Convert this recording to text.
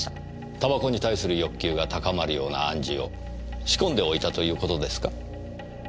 煙草に対する欲求が高まるような暗示を仕込んでおいたということですか？